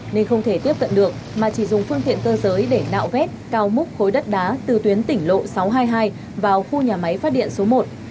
nên không thể tiếp cận được mà chỉ dùng phương tiện cơ giới để nạo vét cao múc khối đất đá từ tuyến tỉnh lộ sáu trăm hai mươi hai vào khu nhà máy phát điện số một